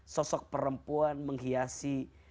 sosok perempuan menghiasi